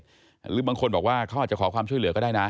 หรือบางคนบอกว่าเขาอาจจะขอความช่วยเหลือก็ได้นะ